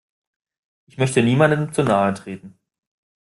Ich möchte niemandem zu nahe treten.